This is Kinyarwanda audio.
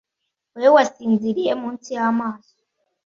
Wowe wasinziriye munsi yamaso